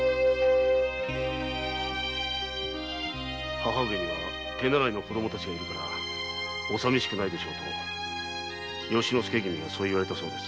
母上には「手習いの子供たちがいるからお寂しくはない」と由之助君はそう言われたそうです。